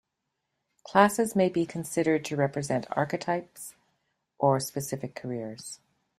Classes may be considered to represent archetypes, or specific careers.